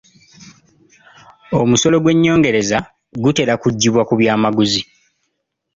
Omusolo ogw'ennyongereza gutera kuggyibwa ku byamaguzi.